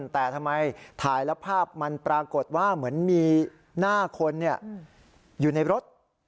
แต่ทำไมถ่ายแล้วภาพมันปรากฏว่าเหมือนมีหน้าคนอยู่ในรถ